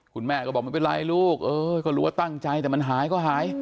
คุณแม่ก็บอกไม่เป็นไรลูกเออก็รู้ว่าตั้งใจแต่มันหายก็หาย